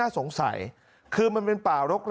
มึงอยากให้ผู้ห่างติดคุกหรอ